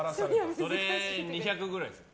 それ２００ｇぐらいですよ。